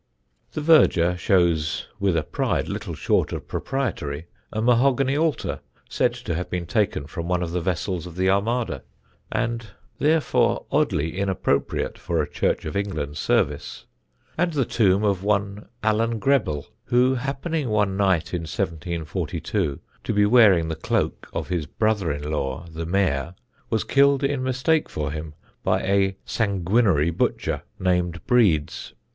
The verger shows with a pride little short of proprietary a mahogany altar said to have been taken from one of the vessels of the Armada (and therefore oddly inappropriate for a Church of England service), and the tomb of one Alan Grebell, who, happening one night in 1742 to be wearing the cloak of his brother in law the Mayor, was killed in mistake for him by a "sanguinary butcher" named Breeds.